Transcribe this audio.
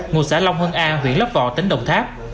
ngôi xã long hân a huyện lấp vọ tỉnh đồng tháp